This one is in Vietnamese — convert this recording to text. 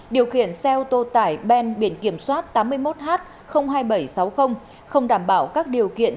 điều khiển xe ô tô tải ben biển kiểm soát tám mươi một h hai nghìn bảy trăm sáu mươi không đảm bảo các điều kiện